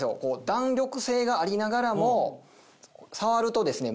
弾力性がありながらも触るとですね